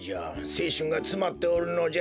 せいしゅんがつまっておるのじゃ。